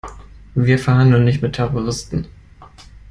Wir verhandeln nicht mit Terroristen.